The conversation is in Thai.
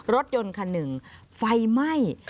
รถยนต์คันหนึ่งไฟไหม้